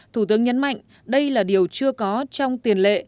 thủ tướng nhấn mạnh đây là điều chưa có trong tiền lệ